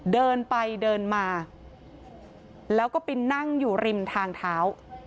เดินไปเดินมาแล้วก็ไปนั่งอยู่ริมทางเท้า